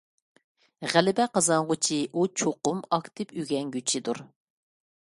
غەلىبە قازانغۇچى ئۇ چوقۇم ئاكتىپ ئۆگەنگۈچىدۇر.